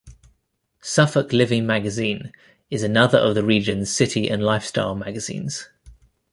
"Suffolk Living Magazine" is another of the region's city and lifestyle magazines.